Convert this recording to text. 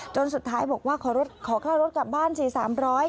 สุดท้ายบอกว่าขอค่ารถกลับบ้านสิ๓๐๐บาท